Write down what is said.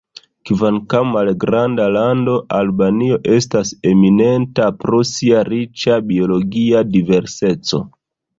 Kvankam malgranda lando, Albanio estas eminenta pro sia riĉa biologia diverseco.